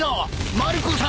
マルコさん！